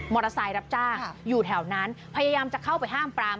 มอเตอร์ไซด์รับจ้างอยู่แถวนั้นพยายามจะเข้าไปห้ามปราม